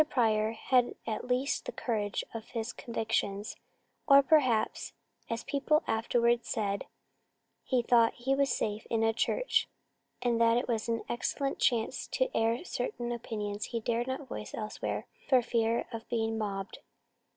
Pryor had at least the courage of his convictions; or perhaps, as people afterwards said, he thought he was safe in a church and that it was an excellent chance to air certain opinions he dared not voice elsewhere, for fear of being mobbed.